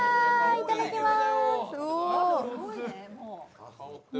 いただきます。